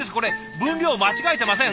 分量間違えてません？